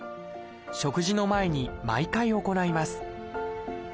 食事の前に毎回行います